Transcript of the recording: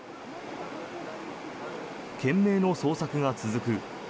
懸命の捜索が続く。